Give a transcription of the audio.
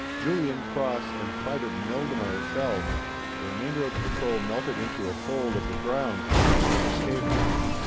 Julian, Cross, and Private Mildemer fell; the remainder of the patrol melted into a fold of the ground and made their escape.